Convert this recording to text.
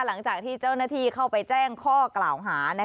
หลังจากที่เจ้าหน้าที่เข้าไปแจ้งข้อกล่าวหา